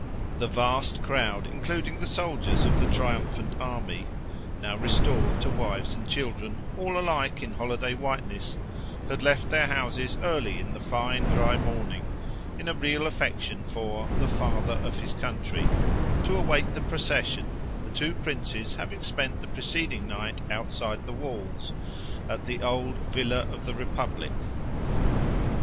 The vast crowd, including the soldiers of the triumphant army, now restored to wives and children, all alike in holiday whiteness, had left their houses early in the fine, dry morning, in a real affection for "the father of his country," to await the procession, the two princes having spent the preceding night outside the walls, at the old Villa of the Republic.